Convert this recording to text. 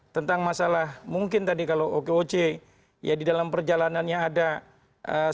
tentang masalah mungkin tadi kalau okoc ya di dalam perjalanannya ada